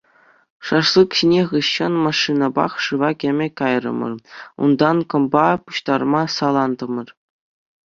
Шашлык ҫинӗ хыҫҫӑн машинӑпах шыва кӗме кайрӑмӑр, унтан кӑмпа пуҫтарма салантӑмӑр.